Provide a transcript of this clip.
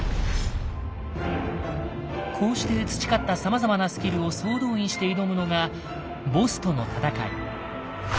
こうして培ったさまざまなスキルを総動員して挑むのがボスとの戦い。